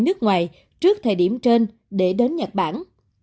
nước ngoài trước thời điểm trên để đến nhật bản